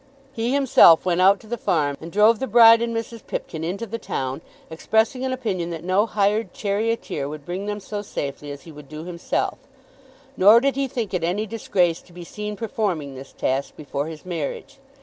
He himself went out to the farm and drove the bride and Mrs. Pipkin into the town, expressing an opinion that no hired charioteer would bring them so safely as he would do himself; nor did he think it any disgrace to be seen performing this task before his marriage.